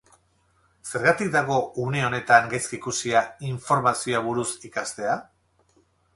Zergatik dago une honetan gaizki ikusia informazioa buruz ikastea?